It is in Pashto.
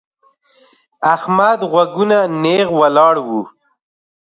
احمد غوږونه نېغ ولاړ وو.